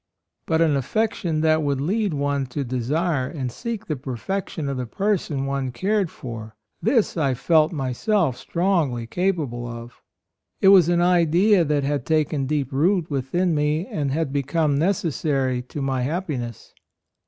But an affection that would lead one to desire and seek the perfection of the person one cared for — this I felt myself strongly capable of; it was an idea that had taken deep root within me and had become necessary to my happiness.